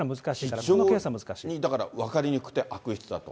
非常にだから、分かりにくくて悪質だと。